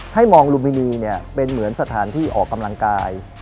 ให้มองลุมพินีเนี่ยเป็นเหมือนสถานที่ออกกำลังกาย